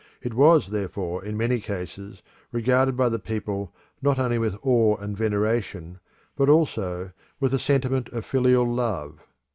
It was therefore, in many cases, regarded by the people not only with awe and veneration, but also with a sentiment of filial love.